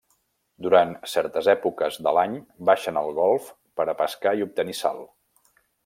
Durant certes èpoques de l'any baixen al Golf per a pescar i obtenir sal.